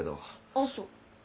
あっそう。